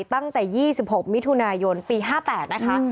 ตั้งแต่๒๖มิถุนายนปี๕๘นะคะ